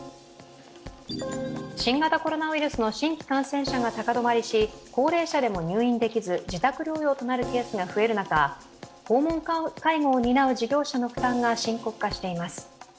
新型コロナウイルスの新規感染者が高止まりし高齢者でも入院できず、自宅療養となるケースが増える中、訪問介護を担う事業者の負担が深刻化しています。